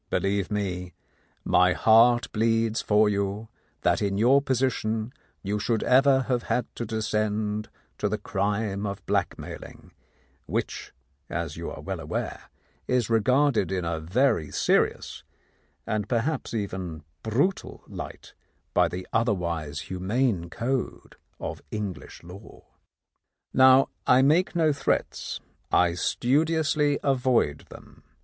Believe me, my heart bleeds for you that in your position you should ever have had to descend to the crime of blackmail ing, which, you are well aware, is regarded in a very serious and perhaps even brutal light by the other wise humane code of English law. "Now I make no threats; I studiously avoid them.